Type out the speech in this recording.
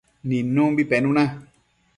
nidnumbi penuna